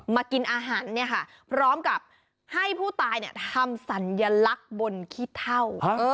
มากินอาหารพร้อมกับให้ผู้ตายทำสัญลักษณ์บนขี้เท่า